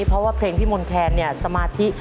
เพราะว่าเพลงพี่มนต์แคนเนี่ยสมาธิ